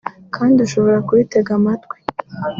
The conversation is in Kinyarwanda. kandi ushobora kuritega amatwi